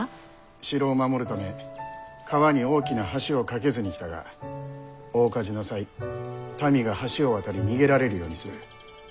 城を守るため川に大きな橋を架けずにきたが大火事の際民が橋を渡り逃げられるようにする。